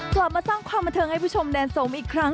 กลับมาสร้างความบันเทิงให้ผู้ชมแดนสมอีกครั้ง